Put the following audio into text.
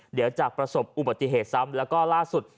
เดี๋ยวจะประสบอุบัติเหตุซ้ำแล้วก็ล่าสุด